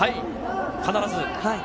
必ず。